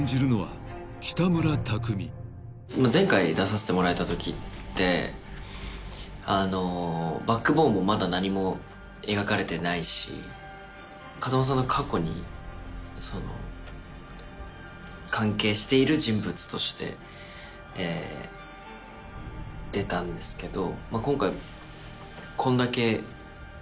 前回出させてもらえたときってバックボーンもまだ何も描かれてないし風間さんの過去に関係している人物として出たんですけど今回こんだけ描いて。